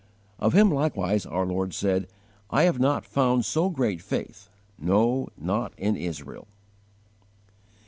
Of him likewise our Lord said: "I have not found so great faith, no, not in Israel!"